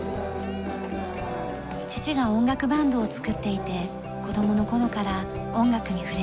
父が音楽バンドを作っていて子供の頃から音楽に触れていました。